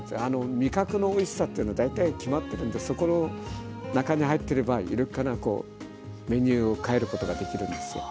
味覚のおいしさっていうのは大体決まってるんでそこの中に入ってればメニューを変えることができるんですよ。